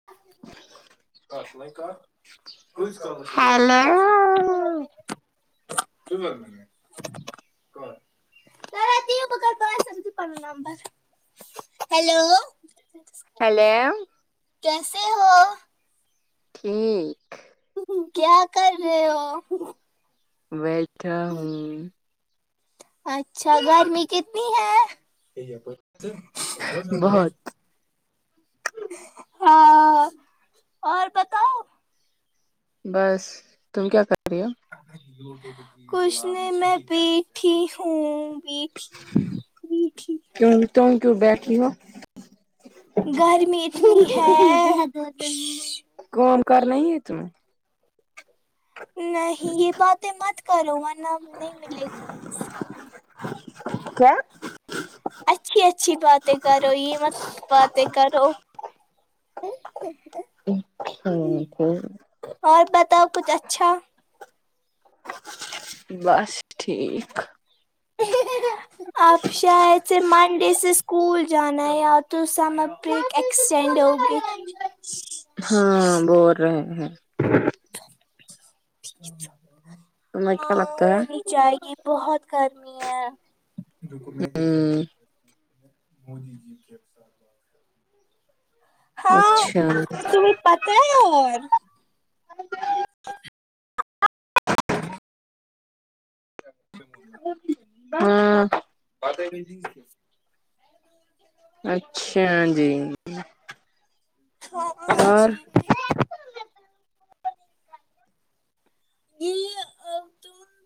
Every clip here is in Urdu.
[inaudible] پت لگ کہ کت کالس چ گمٹازن ہیلو ج ب م [unintelligible] نمبر ہیلو ہیلو کیسے ہو ہوں کیا کر رہے ہو بیھا ہوں اچھا گرمی کتنی ہے بہت ہاں اور بتاؤ بس تم کیا کر رہی ہو کھ نے میں بیٹھی ہوں بی وکھی کیوں ت کیوں بیٹھی ہو گرمی اتنی ہے کام کرنا ہی ہے تمہیں نہیں یہ باتیں مت کرو ن نہیں ملے گی کیا اچھی اچھی باتیں کرو یہ متب باتیں کرو ہٹ ٹھ اور بتاؤ کچھ اچھا بس ٹھیک اب شاید سے منڈے سے اسکول جانا ہے یا تو سم بریک ایکسٹینڈ ہوگی ہاں بول رہے ہیں [inaudible] تہیں کیا لگتا ہے جائے گی بہت گرمی ہے ہ مودی جی کے اچھا پتاہ ہے اور ج [unintelligible] ا پ سے اچھا جی ہ اور جی [unintelligible] جی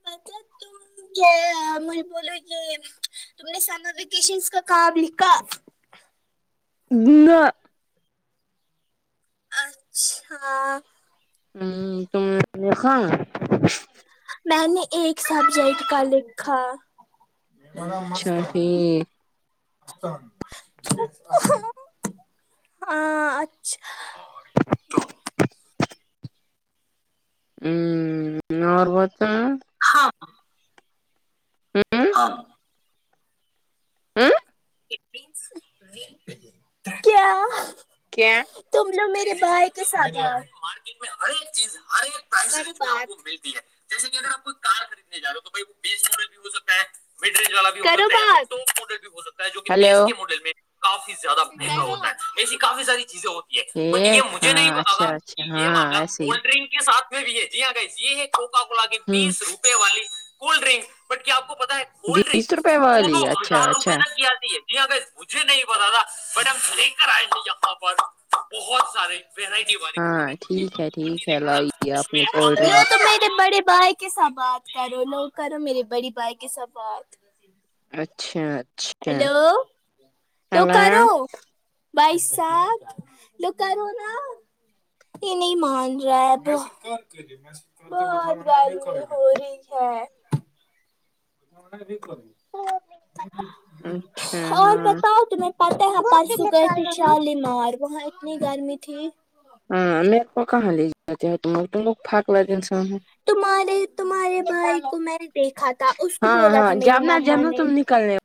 بچ تو کیا مج بولو کہ تم نے سمر ویکیشن کا کام لکھا ن اچھا ہ تم دکھاؤ میں نے ایک سبجیکٹ کا لکھا اچھا ٹھیک ہ اچھا تو ہوں اورور بتا ہاں ہ ہاں ہوں کیا کیا تم نےو میرے بھائی کے ساتھ ہر ایک چیز ہر ایک پیسے آپ کو ملتی ہے جیسے کہ اگر آپ کوئی کار خریدنے جاے ہو تو بائی وہ بیس ماڈل بھی ہو سکتا ہے مڈ ڈی والا بھی بھیک جو کہ ہلو بیس کے ماڈل میں کافی زیادہ مہنگا ہوتا ہے ایسی کافی ساری چیزیں ہوتی یہ بٹ یہ ٹھیک مجھے ہاں نہیں اچھا بتاا اچھا کہ یہ ہاں معاملہ ایسے ہی کولڈ ڈرنک کے ساتھ بھی ہے جی ہاں گائی یہ ہے کوکا کولا کے ہوں بیس روپئے والی کولڈ ڈرنک بٹ کیا آپ کو پتا ہے کولڈ ڈرنک بیس روپے دو والی دو اچھا ہزار روپے اچھا تک کی آتی ہے ج کہ مجھے نہیں پتا تھا میڈ ہم ہلک آئے تھ جاں پر بہت سارے ہاں ٹھیک ہے ٹھیک ہے لائیے آپ نے کولڈ ڈرنک میرے بڑے بھائی کے سات بات کرو لوگ کرو میرے بڑی بھائی کے سات بات اچھا اچھا ہیلو ہلو توکارو بائیس سخ تو کرونا یہ نہیں مان رہا ہے بہت گار ہو رہی ہے ہ بھییک کر اچھا اور ہاں بتاؤ تمہیں پت ہے پرسوں گئے تھے شالیمار وہاں اتنی گرمی تھی ہاں م میںو کہوگ پق لگ ا انسان تمہارے تمہارے بھائی کو میں نے دیکھا تھا اس کو بولا تھا میری مما نے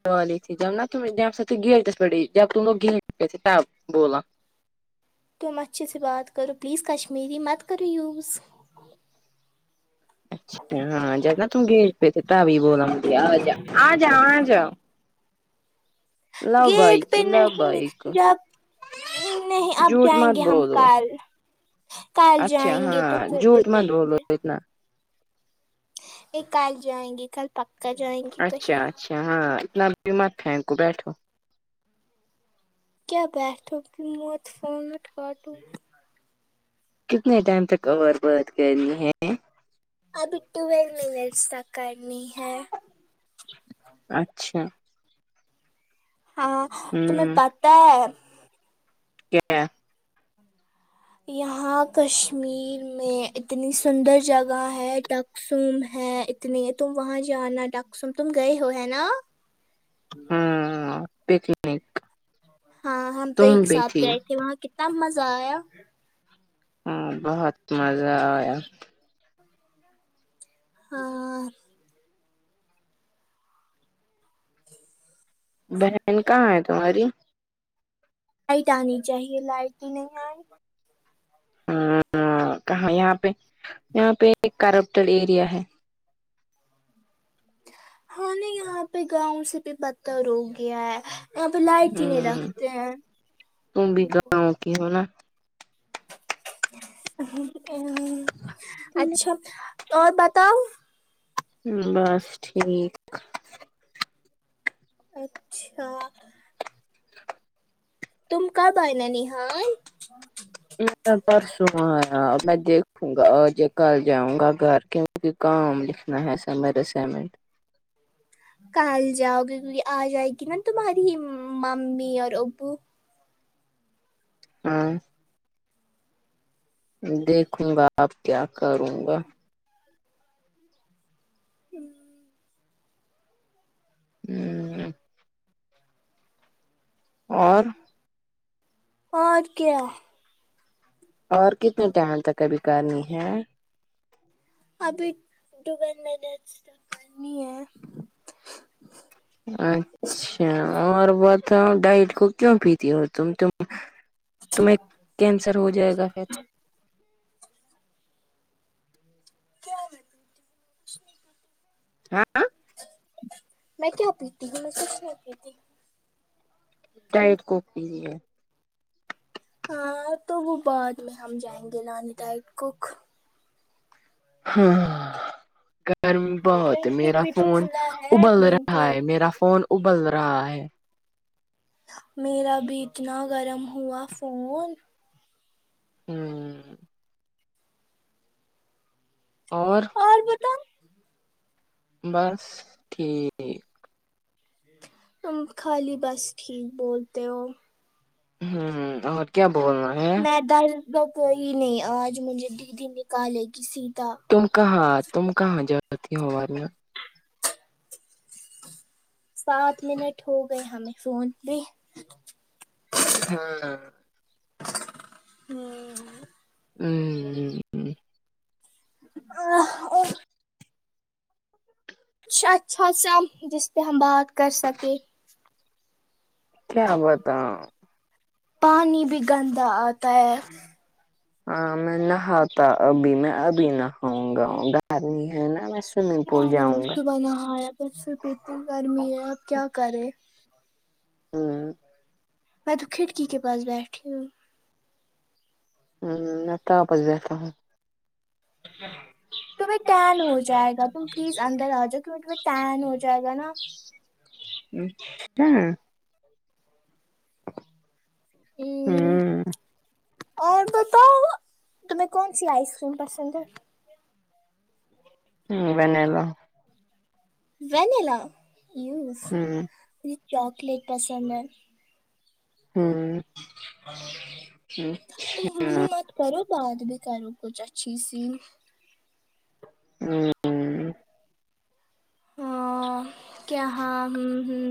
خاللییھیھیک جب ن دا دم سا تو گیلٹس پیٮ جب ت لٮگ گ گسے تب بولا تم اچھے سے بات کرو پلیز کشمیری مت کرو یوز اچھا ہاں جبنا ت گیٹ پہ تھ ت ب جا آ جا گیٹ پہ نہیں لبیک جب نہیں اب جھوٹ جائیں مت گے ہم بولو کل کل اچھا جائیں گے تو ہاں پھر وہ جھوٹ مت بھیج بولو دیں اتنا یہ کل جائیں گی کل پکا جائیں گی اچھا اچھا ہاں اتنا مت ہے کو بیٹھو کیا بیٹھو کی موت فامٹ کاٹون کتنے ٹائم تک اور بات کرنی ہے ابھی ٹویل م تک کرنی ہے اچھا ہاں تمہیں ہوں پت ہے کیا یہاں کشمیر میں اتنی سندر جگہ ہے کیا ڈسوم ہے اتنی ہے تم وہاں جانا ڈاکسوم تم گئے ہو ہے نا [unintelligible] ہاں پکنک ہاں ہم تو ایک تم بھی ساتھ تھی گئے تھے وہاں کتنا مزہ آیا ہ بہت مزہ آیا ہاں بہن کہاں ہے تمہاری لائٹ آنی چاہیے لائٹ ہی نہیں آئے ہ کہاں یہاں پہ یہاں پہ ایک کرپٹل ایریا ہے ہاں یہاں پہ گاؤں سے بھی بدتر ہو گیا ہے یہاں پہ لائٹ ہی نہیں ہ رکھتے ہیں تم بھی گاؤ کی ہونا اچھا اور بتاؤ بس ٹھیک اچھا تم کب آئی ننہال [inaudible] پرسوں آ میں دیکھوں گا ج کل جاؤں گا گھر کے کیونکہ کام لکھنا ہے سمر اسائمنٹ کل جاؤ گے کیونکہ آ جائے گی نا تمہاری ممی اور ابو ہاں دیکھوں گا آپ کیا کروں گا [inaudible] ہمم اور اور کیا اور کتنے ٹائم تک ابھی کرنی ہے ابھی ٹویلو منٹس کرنی ہے اچھا اور بتاؤ ڈائٹ کو کیوں پیتی ہو تم ت تمہیں کینسر ہو جائے گا پھر [inaudible] ہاں میں کیا پیتی ہوں میں سے پیتی ہ ڈائٹ کو بھی ہے ہاں تو وہ بعد میں ہم جائیں گے نانی تائ کو ہاں گرمی بہت بلنکٹ میرا بھی تو فون کھلا ہے ابل رہا ہے بلنکٹ میرا فون ابل رہا ہے میرا بھی اتنا گرم ہوا فون ہمم اور بس ٹھیک خالی بس ٹھیک بولتے ہو ہمم کیا بول رہا ہے میں در ب کوئی نہیں آج مجھے دیدی نکالے گی سیتا تم کہاں تم کہاں جاتی ہو آ میں سات منٹ ہو گئے ہمیں فون پہ ہاں ہمم ہمم [inaudible] اچھا اچھا سا جس پہ ہم بات کر سکیں کیا بتاو پانی بھی گندا آتا ہے ہاں میں نہاتا ابھی میں ابھی نہاؤں گا گر ہے نا سوئمنگ پول نہیں ابھی جاؤں گا صبح نہایا پھر سے اتنی گرمی ہے اب کیا کرے ہمم میں تو کھڑکی کے پاس بیٹھی ہوں میں تاپس بیٹھی تمہیں ٹین ہو جائے گا تم پلیز اندر آ جاؤ کیونکہ تمہیں ٹین ہو جائے گا نا [unintelligible] ہمم ہاں اور بتاؤ تمہیں کون سی آئس کریم پسند ہے ہ ون لو [unintelligible] وینلا وز ہوں م چاکلیٹ پسند ہے ہوں ہوں تم مت کرو بات بھی کرو کچھ اچھی سی ہوں ا کیا ہاں ہوں ہوں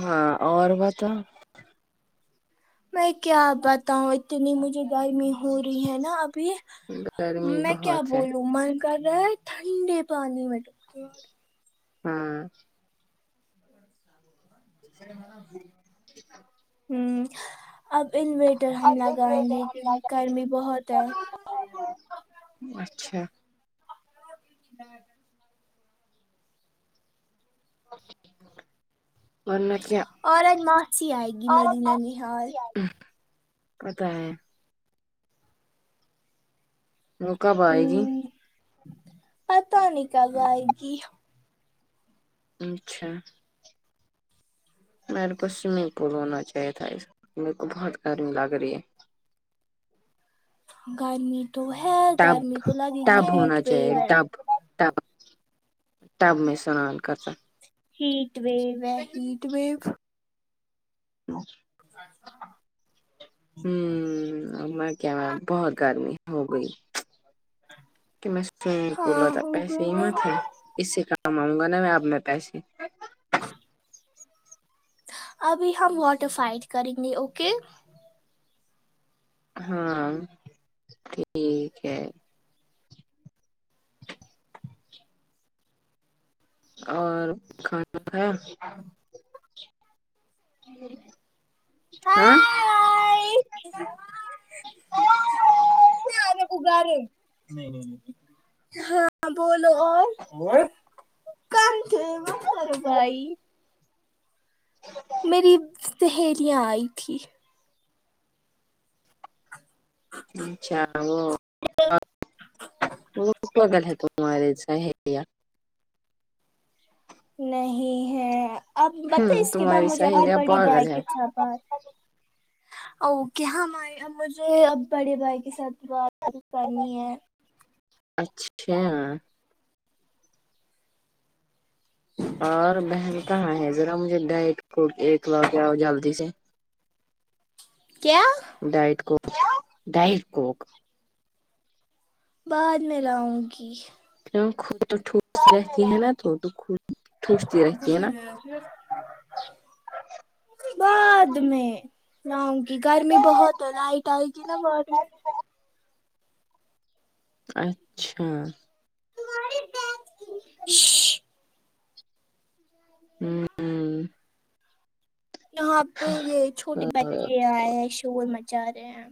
ہاں اور بت میں کیا بتاؤں اتنی مجھے گھر میں ہو رہی ہے نا ابھی گرمی میں کیا بہت ہے بولوں من گغر ٹھنڈے پانی مٹ ہاں ہوں اب انویٹر ہم لگائیں گے کیونکہ گرمی بہت ہے اچھا ہاں اورورن کیا اورت ماسیی آئے گی میری نن حال پتا ہے وہ کب آئے گی پت نہیں کل آائے گی اچھا میرے کو سوئمنگ پول ہونا چاہی تھا اسق میرے کو بہت گرمی لگ رہی ہے گرمی تو ہے ٹب گرمی تو لگے گی ہیٹ ویو ہے تب تب میں سنال کر سکتے ہیٹ وو ہے ہیٹ ویو چ [unintelligible] ہوں میں کیا بہت گرمی ہو گئی کہ میں س ہاں بلا تھا ہو گئی پیسے نا میں تھے اس سے کام آؤں گا نا میں اپنے پیسے ابھی ہم واٹر فائڈ کریں گے اوکے ہاں ٹھیک ہے [inaudible] اور کھانا کھایا ہ [unintelligible] ہائے ار ہاں بولو اور کم تھ وات کر بھائی ہاں میری سہیلیاں آئی تھھی اچھا وہ موگل ہے تو مہارے ہےیا نہیں ہے آپ بتائ ہوں اس کے بعد تمہاری مجھے اپنی سہیلیا بڑی پاگل بائی کے ہے س بات ہ [unintelligible] اوکاںے مجھے اب بڑے بھائی کے ساتھ بات کرنی ہے اچھا اور بہن کہاں ہے ذرا مجھے ڈائٹ ایک ل جاؤ جلدی سے کیا ڈائٹ کوک ڈائٹ کوک بعد میں لاؤں گی کی خود تو ٹوس رہتی ہے نا تو تو خوش بعد میں لاؤں گی گرمی بہت ہے لائٹ آئے گی نا بعد میں اچھا [unintelligible] ہوں ہ یہاں پہ یہ چھوٹے بچے آئے ہیں شور مچا رہے ہیں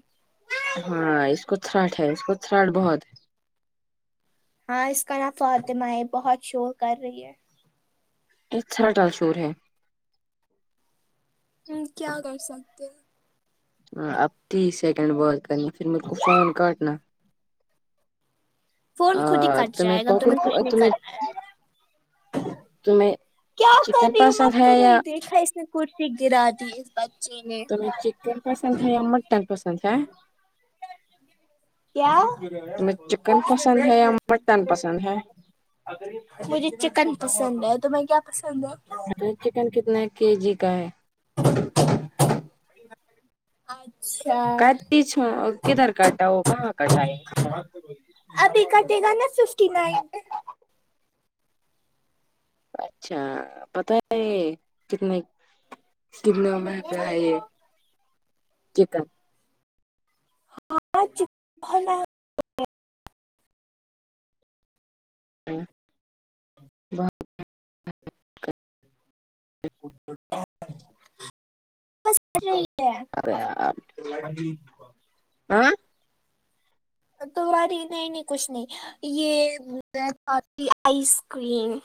ہاں اس کو سھراٹ ہے اس کو سھرٹ بہت ہے ہاں اس کا نام فاطمہ ہے بہت شور کر رہی ہے یہ سھڑل شور ہے کیا کر سکتے ہیں ہ اب تیس سیکنڈ بات کرنی پھر میرے کو فون کاٹنا فون خود ہی اور کٹ جائے گا کوکر تمہیں کچھ نہیں تمہیں کرناا ہے تمہیں کیا کر چکن رہی ہو پسند مت ہے کرو یا یہ دیکھا کرسی گرا دی اس بچے نے چکن پسند ہے یا مٹن پسند ہے کیا تمہیں چکن پسند ہے یا مٹن پسند [unintelligible] ہے مجھے چکن پسند ہے تمیں کیا پسند ہے چکن کتنے کے جی کا ہے اچھا کاتی چ کدھر کاٹا ہو کہاں کاٹ ہے ابھی کٹے گا نا سکیسٹی نائن پے اچھا پتا ہے کتنے کتنے گ ہے چکن [unintelligible] ہوں [inaudible] [inaudible] [unintelligible] [unintelligible] تو باری نہیں نہیں کچھ نہیں یہ رہی آپ کی ice cream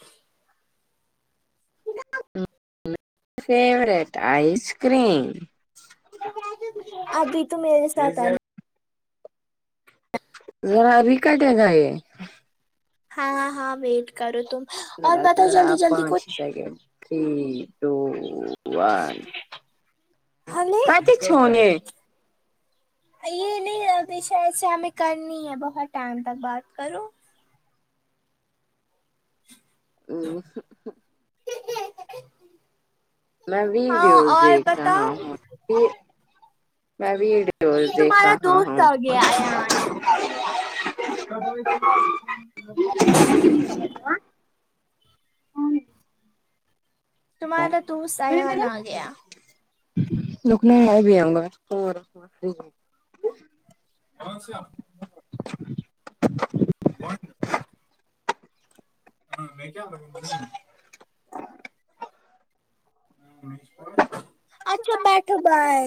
favourite ice cream ابھی تو میرے ساتھ آ ذرا ابھی کٹے گا یہ ہاں ہاں ہاں ویٹ کرو تم اور ذرا بتاؤ ذرا جلدی جلدی پانچ ہی کچھ سیکنڈ تھری ٹو ون ہمیں کتی چونے یہ نہیں ابھی شاید سے ہمیں کرنی ہے بہت ٹائم تک بات کروں او [unintelligible] [unintelligible] میں ہاں ویڈیوز اور دیکھ رہا بتاؤ ہوں ہ میں ویڈیو یہ تمہارا دوست اگیا ایان [inaudible] تمہارا ذرا تو ایان آ گیا روکنا میں ابھی اوگا ا اچھا بند تو [unintelligible] اچھا بیٹھو بائے